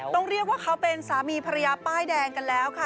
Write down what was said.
ต้องเรียกว่าเขาเป็นสามีภรรยาป้ายแดงกันแล้วค่ะ